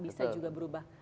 bisa juga berubah